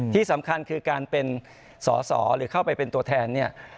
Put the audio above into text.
ที่สำคัญคือการเป็นสอสอหรือเข้าไปเป็นตัวแทนเนี่ย